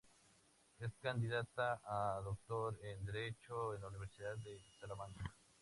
Es candidata a Doctor en Derecho en la Universidad de Salamanca.